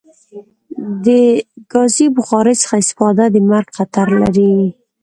د کازی بخاری څخه استفاده د مرګ خطر لری